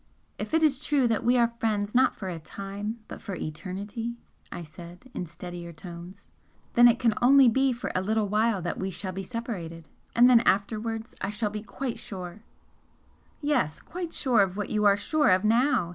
"If it is true that we are friends not for a time but for eternity" I said, in steadier tones "then it can only be for a little while that we shall be separated. And then afterwards I shall be quite sure " "Yes quite sure of what you are sure of now!"